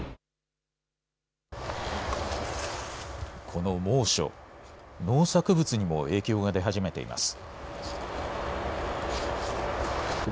この猛暑、農作物にも影響が出始めています。